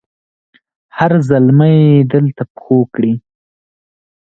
هر زلمي دلته پښو کړي